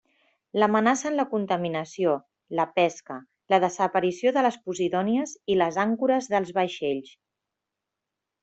L'amenacen la contaminació, la pesca, la desaparició de les posidònies i les àncores dels vaixells.